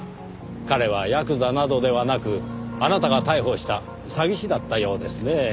彼はヤクザなどではなくあなたが逮捕した詐欺師だったようですねぇ。